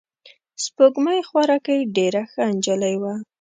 سپوږمۍ خوارکۍ ډېره ښه نجلۍ وه.